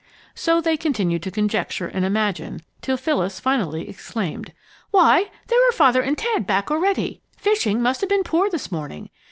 So they continued to conjecture and imagine till Phyllis finally exclaimed: "Why, there are Father and Ted back already! Fishing must have been poor this morning.